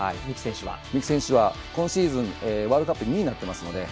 三木選手は、今シーズンワールドカップ２位になってます。